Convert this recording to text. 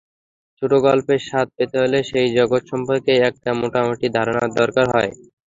ছোটগল্পের স্বাদ পেতে হলে সেই জগৎ সম্পর্কে একটা মোটামুটি ধারণার দরকার হয়।